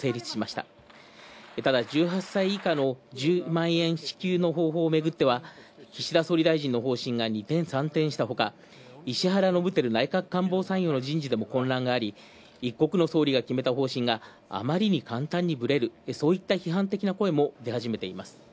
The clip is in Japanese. ただ１８歳以下の１０万円支給の方法をめぐっては岸田総理の方針が二転三転したほか、石原伸晃内閣官房参与の人事でも混乱があり、一国の総理が決めた方針があまりにかんたんにぶれるといった声も出始めています。